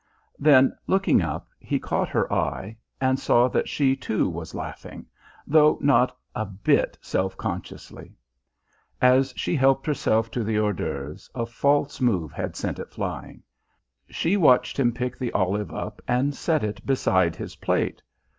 Then, looking up, he caught her eye, and saw that she too was laughing, though not a bit self consciously. As she helped herself to the hors d'oeuvres a false move had sent it flying. She watched him pick the olive up and set it beside his plate.